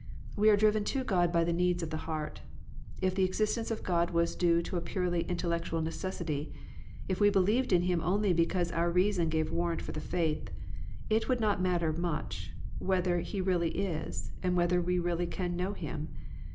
We are driven to God by the needs of the heart. If the existence of God was due to a purely in tellectual necessity; if we believed in Him only because our reason gave warrant for the faith; it would not matter much whether He really is, and whether we really can know Him.